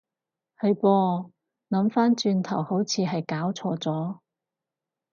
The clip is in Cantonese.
係噃，諗返轉頭好似係攪錯咗